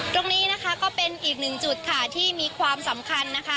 ตรงนี้นะคะก็เป็นอีกหนึ่งจุดค่ะที่มีความสำคัญนะคะ